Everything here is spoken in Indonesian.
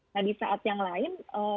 nah di saat yang lain